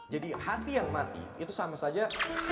jadi hati yang mati itu sama saja